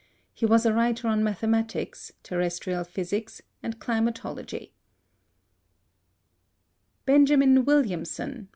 He was a writer on mathematics, terrestrial physics, and climatology. Benjamin Williamson (b.